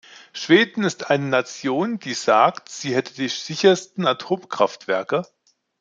Schweden ist eine Nation, die sagt, sie hätte die sichersten Atomkraftwerke.